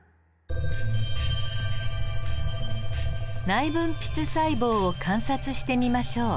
内分泌細胞を観察してみましょう。